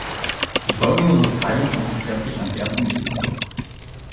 Die folgende Unterteilung orientiert sich an der von Ethnologue.